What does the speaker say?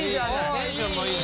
テンションもいいね。